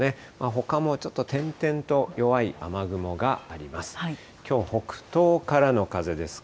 ほかもちょっと点々と弱い雨雲があります。